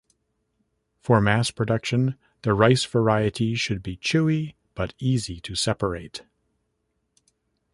For mass production, the rice variety should be chewy but easy to separate.